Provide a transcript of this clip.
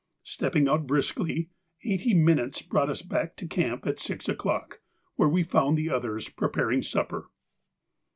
Stepping out briskly, eighty minutes brought us back to camp at six o'clock, where we found the others preparing supper.